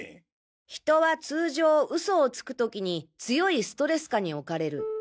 人は通常嘘をつく時に強いストレス下に置かれる。